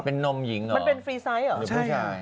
มันน้มหยิงเหรอมันมีเนื้อล่ะ